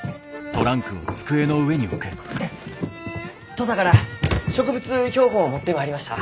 土佐から植物標本を持ってまいりました。